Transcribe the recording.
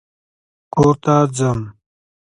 کور ته ځم